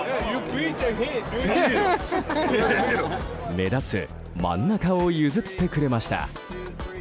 目立つ真ん中を譲ってくれました。